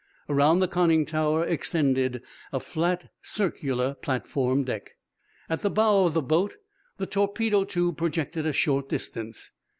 Around the conning tower extended a flat, circular "platform" deck. At the bow of the boat the torpedo tube projected a short distance.